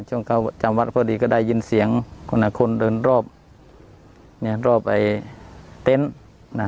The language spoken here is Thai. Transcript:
ช่วงเขาจำวัดพอดีก็ได้ยินเสียงคนละคนเดินรอบเนี่ยรอบไอ้เต็นต์นะ